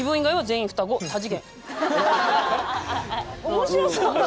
面白そう。